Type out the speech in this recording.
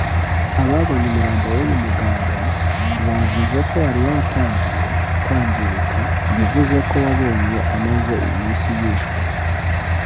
Ababonye umurambo w’ uyu muganga bavuze ko wari waratangiye kwangirika bivuze ko wabonywe amaze iminsi yishwe